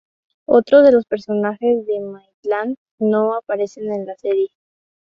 Otros de los personajes, Los Maitland no aparecen en la serie.